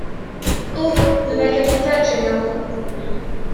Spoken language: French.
Oh ! ne m’accablez pas, Gennaro.